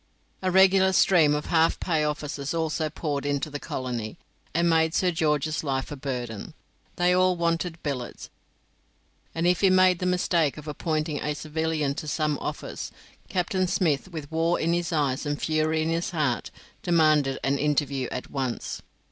A regular stream of half pay officers also poured into the colony, and made Sir George's life a burden. They all wanted billets, and if he made the mistake of appointing a civilian to some office, Captain Smith, with war in his eye and fury in his heart, demanded an interview at once.